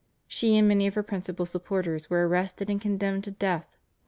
She and many of her principal supporters were arrested and condemned to death (Nov.